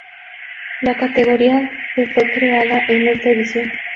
La categoría de fue creada en esta edición.